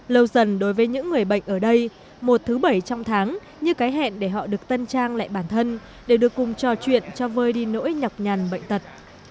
lâu dần đối với những người bệnh ở đây một thứ bảy trong tháng như cái hẹn để họ được tân trang lại bản thân đều được cùng trò chuyện cho vơi đi nỗi nhọc nhằn bệnh tật